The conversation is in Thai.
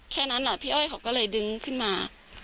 แค่นั้นแหละพี่อ้อยเขาก็เลยดึงขึ้นมา